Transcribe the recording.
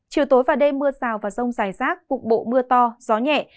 chiều tối và đêm mưa rào và rông dài rác cục bộ mưa to gió nhẹ